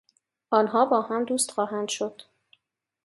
آنها با هم دوست خواهند شد.